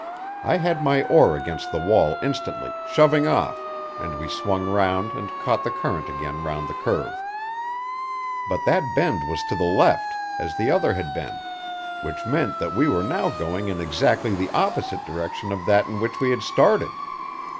I had my oar against the wall instantly, shoving off, and we swung round and caught the current again round the curve. But that bend was to the left, as the other had been, which meant that we were now going in exactly the opposite direction of that in which we had started!